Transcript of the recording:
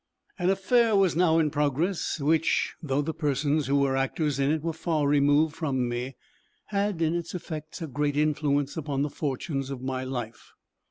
An affair was now in progress, which, though the persons who were actors in it were far removed from me, had in its effects a great influence upon the fortunes of my life.